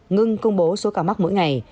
ngưng công bố số ca mắc mỗi ngày